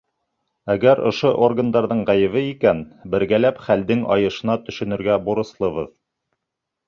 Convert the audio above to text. Әгәр ошо органдарҙың ғәйебе икән, бергәләп хәлдең айышына төшөнөргә бурыслыбыҙ.